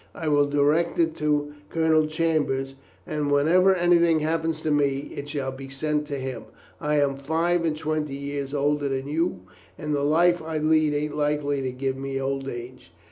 I will direct it to Colonel Chambers, and whenever anything happens to me it shall be sent to him. I am five and twenty years older than you are, and the life I lead ain't likely to give me old age.